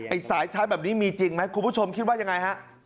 สายใช้แบบนี้มีจริงไหมคุณผู้ชมคิดว่ายังไงฮะ